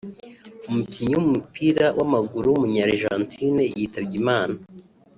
umukinnyi w’umupira w’amaguru w’umunyargentine yitabye Imana